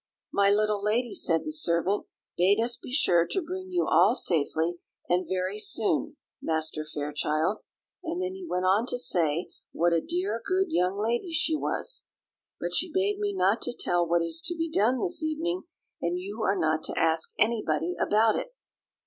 "My little lady," said the servant, "bade us be sure to bring you all safely, and very soon, Master Fairchild." And then he went on to say what a dear, good young lady she was. "But she bade me not tell what is to be done this evening; and you are not to ask anybody about it."